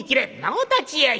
お立ち会い！